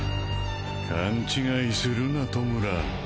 勘違いするな弔。